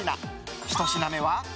１品目は。